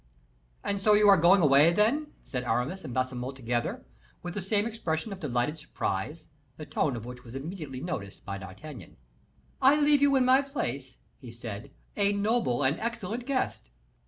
"And so you are going away, then?" said Aramis and Baisemeaux together, with the same expression of delighted surprise, the tone of which was immediately noticed by D'Artagnan. "I leave you in my place," he said, "a noble and excellent guest."